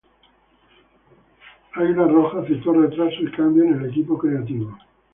Red Eagle citó retrasos y cambios en el equipo creativo.